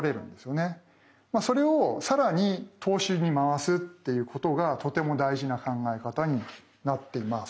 それをさらに投資に回すっていうことがとても大事な考え方になっています。